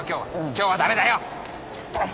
今日は駄目だよ！